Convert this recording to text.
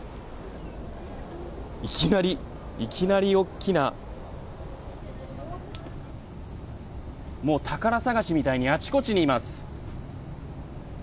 いきなり、いきなり大きなもう宝探しみたいにあちこちにいます。